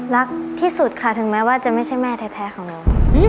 รักที่สุดค่ะถึงแม้ว่าจะไม่ใช่แม่แท้ของน้อง